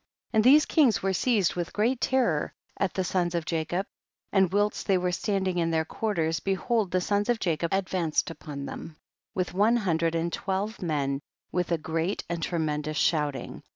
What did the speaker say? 20. And these kings were seized with great terror at the sons of Jacob, and whilst they were standing in their quarters, behold the sons of Ja cob advanced upon them, with one hundred and twelve men, with a great and tremendous shouting.